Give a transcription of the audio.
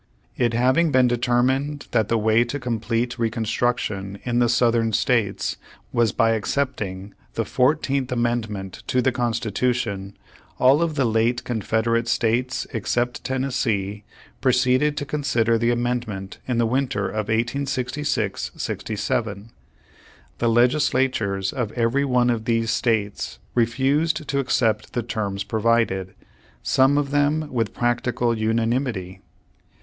It having been determined that the way to com plete Reconstruction in the Southern States was by accepting the Fourteenth Amendment to the Constitution, all of the late Confederate States except Tennessee, proceeded to consider the amendment in the winter of 1866 67. The legis latures of every one of these states refused to accept the terms provided, some of them with practical unanimity.